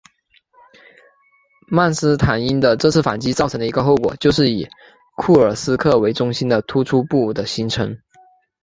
曼施坦因的这次反击造成的一个后果就是以库尔斯克为中心的突出部的形成。